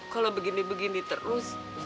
kalau begini begini terus